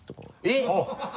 えっ！